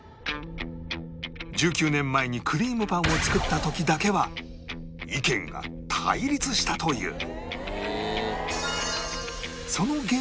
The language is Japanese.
１９年前にクリームパンを作った時だけは意見が対立したという